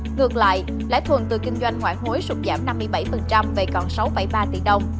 ngược lại lãi thuần từ kinh doanh ngoại hối sụt giảm năm mươi bảy về còn sáu ba tỷ đồng